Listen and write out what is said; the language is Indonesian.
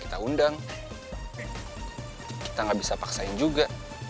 kita undang kita gak bisa paksain juga